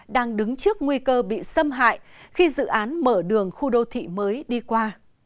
đang đứng trước nguy cơ bị xâm hại khi dự án mở đường khu đô thị mới đi qua